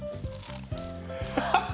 ハハハハ！